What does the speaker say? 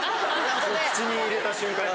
口に入れた瞬間に。